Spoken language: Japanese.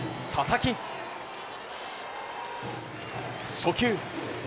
初球。